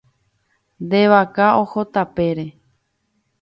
Nde vaka oho tapére.